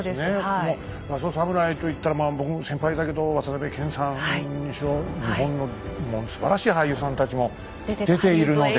もう「ラストサムライ」といったら僕の先輩だけど渡辺謙さんにしろもう日本のすばらしい俳優さんたちも出ているので。